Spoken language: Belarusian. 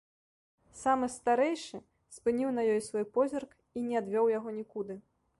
Самы ж старэйшы спыніў на ёй свой позірк і не адвёў яго нікуды.